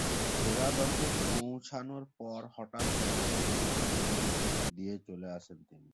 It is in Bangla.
সেরা দশে পৌছানোর পর হঠাৎ ক্যাম্পেইন বুথ ছেড়ে দিয়ে চলে আসেন তিনি।